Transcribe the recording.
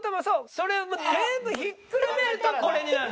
それを全部ひっくるめるとこれになる。